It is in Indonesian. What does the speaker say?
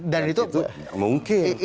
dan itu mungkin